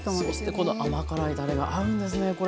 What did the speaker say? そして甘辛いたれが合うんですね